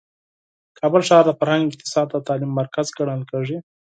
کابل ښار د فرهنګ، اقتصاد او تعلیم مرکز ګڼل کیږي.